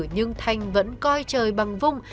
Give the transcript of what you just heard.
nhưng thành vẫn coi trời bằng vung